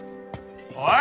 おい！